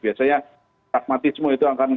biasanya pragmatisme itu akan